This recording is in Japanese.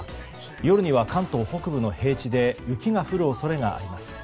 夜には関東北部の平地で雪が降る恐れがあります。